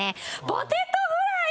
ポテトフライ！